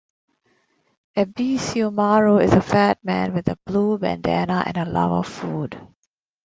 Ebisumaru is a fat man with a blue bandana and a love of food.